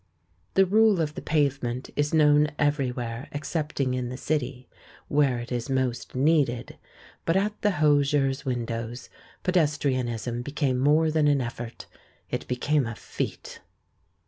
The rule of the pavement is known everywhere excepting in the City, where it is most needed; but at the hosiers' windows pedestrianism became more than an effort — it became a feat.